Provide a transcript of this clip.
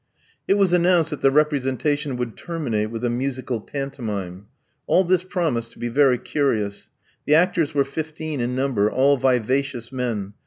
It was announced that the representation would terminate with a musical pantomime. All this promised to be very curious. The actors were fifteen in number, all vivacious men.